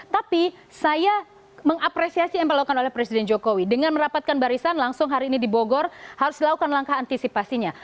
tapi saya mengapresiasi yang dilakukan oleh presiden jokowi dengan merapatkan barisan langsung hari ini di bogor harus dilakukan langkah antisipasinya